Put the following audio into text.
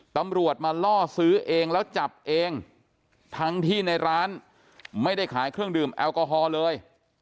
ตำรวจมาล่อซื้อเองแล้วจับเองทั้งที่ในร้านไม่ได้ขายเครื่องดื่มแอลกอฮอล์เลย